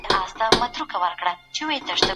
ولي د ورځنیو پېښو ثبتول رواني فشار کموي؟